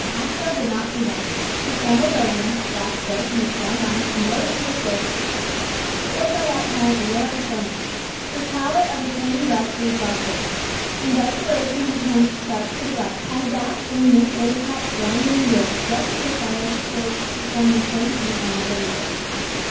Aspel did not see them. He stumbled over them, grasped both in his strong arms, and bore them to the staircase. It was by that time a roaring furnace. His power of retaining breath was exhausted. In desperation he turned sharp to the right, and dashed in Miss Lillycrop's drawing room door, just as the fire escape performed the same feat on one of the windows.